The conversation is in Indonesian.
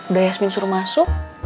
udah yasmin suruh masuk